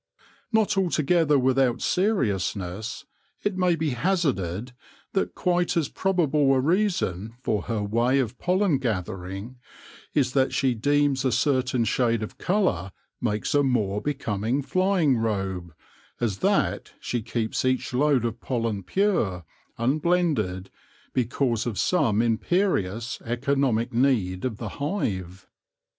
Not altogether without seriousness, it may be hazarded that quite as probable a reason for her way of pollen gathering is that she deems a certain shade of colour makes a more becoming flying robe, as that she keeps each load of pollen pure, un blended, because of some imperious, economic need of the hive.